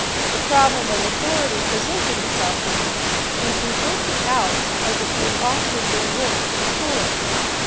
The problem of authority presented itself to him, and he worked it out as it has often been worked before.